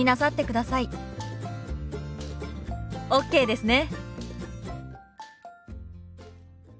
ＯＫですね！